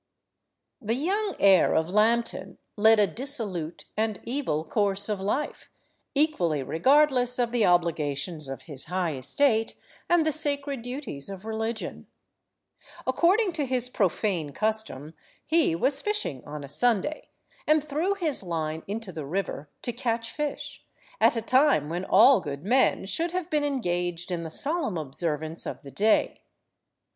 The young heir of Lambton led a dissolute and evil course of life, equally regardless of the obligations of his high estate, and the sacred duties of religion. According to his profane custom, he was fishing on a Sunday, and threw his line into the river to catch fish, at a time when all good men should have been engaged in the solemn observance of the day.